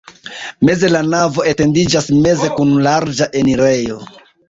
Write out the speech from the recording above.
Meze la navo etendiĝas meze kun larĝa enirejo.